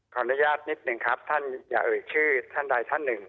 อนุญาตนิดหนึ่งครับท่านอย่าเอ่ยชื่อท่านใดท่านหนึ่ง